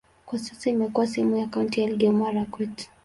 Kwa sasa imekuwa sehemu ya kaunti ya Elgeyo-Marakwet.